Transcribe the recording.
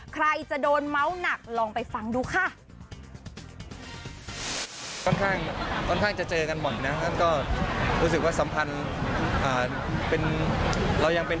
ใครจะโดนเมาส์หนักลองไปฟังดูค่ะ